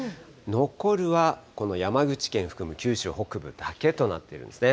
残るは、この山口県含む九州北部だけとなっているんですね。